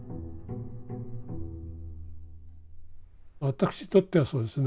私にとってはそうですね